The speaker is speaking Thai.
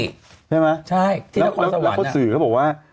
ใช่ไหมแล้วก็สื่อเขาบอกว่า